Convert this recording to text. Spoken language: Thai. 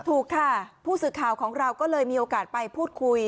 ถูกค่ะผู้สื่อข่าวของเราก็เลยมีโอกาสไปพูดคุย